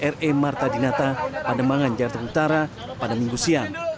re marta dinata pademangan jakarta utara pada minggu siang